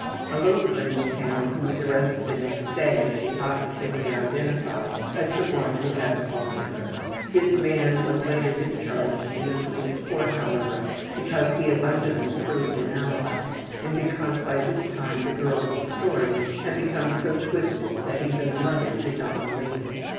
A loafer in the town, who was arrested the next day, she positively identified as the one who had assaulted her. This man was later discharged in the police court, however, because he abundantly proved an alibi, and because by this time the girl's story had become so twisted that even the mother did not believe it.